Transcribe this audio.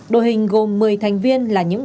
đội hình gồm một mươi thành viên là những